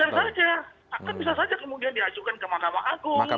akan bisa saja kemudian diajukan ke makam agung